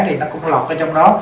thì nó cũng lọt ở trong đó